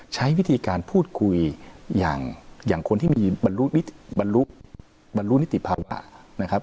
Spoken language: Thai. ใช้วิธีการพูดคุยอย่างคนที่มีบรรลุนิติภาวะนะครับ